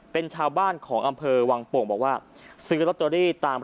เป็นชาวบ้านของอำเภอวังปกบอกว่า